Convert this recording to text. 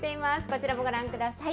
こちらもご覧ください。